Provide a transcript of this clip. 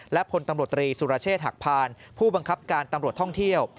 และพลตำรวจตรีสุรเชษฐหักพานผู้บังคับการตำรวจท่องเที่ยว